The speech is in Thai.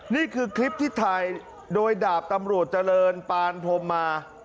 นี่คือคลิปที่ถ่ายโดยดาบตำรวจเจริญปานพรมมา